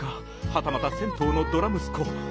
はたまた銭湯のドラむすこ。